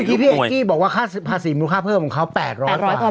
ที่พี่เอกกี้บอกว่าค่าภาษีมูลค่าเพิ่มของเขา๘๐๐บาท